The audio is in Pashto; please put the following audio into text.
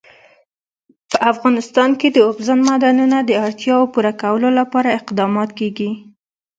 په افغانستان کې د اوبزین معدنونه د اړتیاوو پوره کولو لپاره اقدامات کېږي.